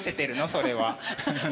それは。